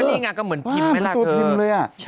นี่ง่ะเหมือนพิมพ์ไหมล่ะเกิด